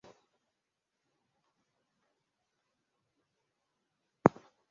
Nia nzuri za Mfalme wa Ureno na vilevile wamisionari wenyewe hazikuwa na nguvu